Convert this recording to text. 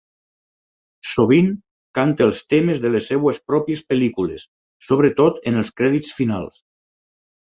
Sovint canta els temes de les seves pròpies pel·lícules, sobretot en els crèdits finals.